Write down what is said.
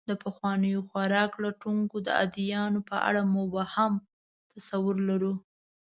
د پخوانیو خوراک لټونکو د ادیانو په اړه مبهم تصور لرو.